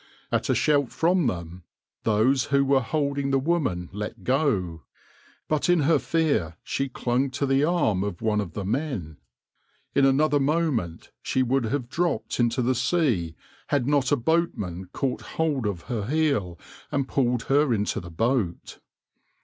At a shout from them, those who were holding the woman let go, but in her fear she clung to the arm of one of the men. In another moment she would have dropped into the sea had not a boatman caught hold of her heel and pulled her into the boat.